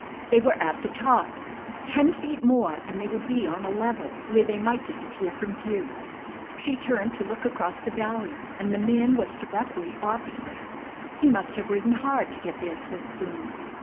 They were at the top! Ten feet more and they would be on a level, where they might disappear from view. She turned to look across the valley, and the man was directly opposite. He must have ridden hard to get there so soon.